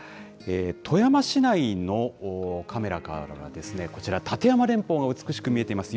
富山市内のカメラからは、こちら、立山連峰が美しく見えています。